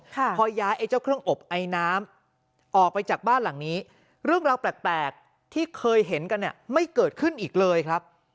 พอย้ายไอ้เจ้าเครื่องอบไอน้ำออกไปจากบ้านหลังนี้เรื่องราวแปลกแปลกที่เคยเห็นกันเนี่ยไม่เกิดขึ้นอีกเลยครับ